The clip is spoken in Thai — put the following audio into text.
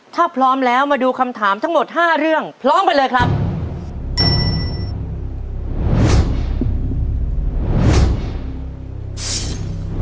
ถ้าพร้อมแล้วมาดูคำถามทั้งหมด๕เรื่องพร้อมกันเลยครับ